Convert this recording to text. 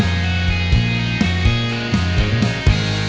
untuk cinta yang selalu sakit